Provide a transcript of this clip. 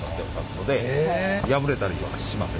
破れたりはしません。